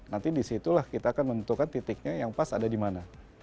nanti disitulah kita akan menentukan titiknya yang pas ada di mana